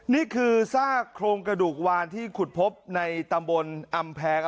นี่คือซากโครงกระดูกวานที่ขุดพบในตำบลอำแพง